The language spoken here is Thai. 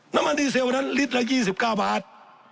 น้ำมันดีเซลวันนั้นลิตรละยี่สิบก้าบาท